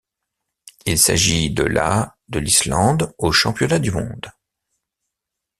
Il s'agit de la de l'Islande aux Championnats du monde.